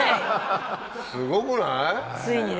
すごくない？